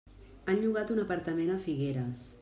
Han llogat un apartament a Figueres.